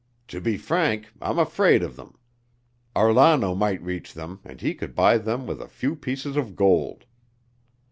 To be frank, I'm afraid of them. Arlano might reach them and he could buy them with a few pieces of gold."